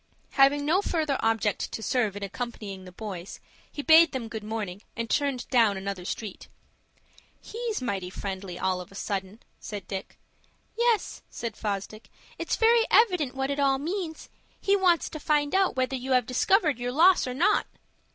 Having no further object to serve in accompanying the boys, he bade them good morning, and turned down another street. "He's mighty friendly all of a sudden," said Dick. "Yes," said Fosdick; "it's very evident what it all means. He wants to find out whether you have discovered your loss or not."